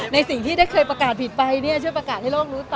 ในสิ่งที่ได้เคยประกาศผิดไปช่วยประกาศให้โลกรู้ต่อ